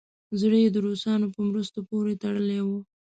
زړه یې د روسانو په مرستو پورې تړلی وو.